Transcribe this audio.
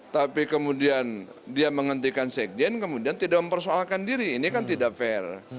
tapi kemudian dia menghentikan sekjen kemudian tidak mempersoalkan diri ini kan tidak fair